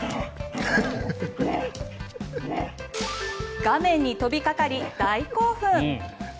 画面に飛びかかり大興奮。